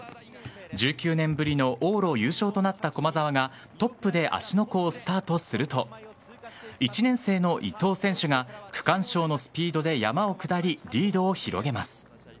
１９年ぶりの往路優勝となった駒澤がトップで芦ノ湖をスタートすると１年生の伊藤選手が区間賞のスピードで山を下りリードを広げます。